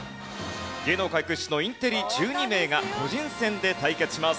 芸能界屈指のインテリ１２名が個人戦で対決します。